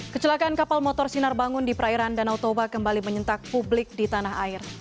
kecelakaan kapal motor sinar bangun di perairan danau toba kembali menyentak publik di tanah air